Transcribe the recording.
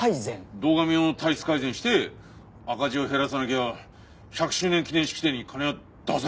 堂上を体質改善して赤字を減らさなきゃ１００周年記念式典に金は出せないって言うんだよ。